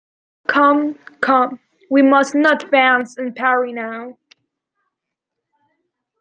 Come, come, we must not fence and parry now.